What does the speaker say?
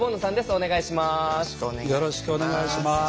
お願いします。